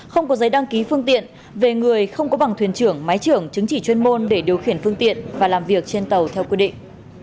không có giấy đăng ký phương tiện về người không có bằng thuyền trưởng máy trưởng chứng chỉ chuyên môn để điều khiển phương tiện và làm việc trên tàu theo quy định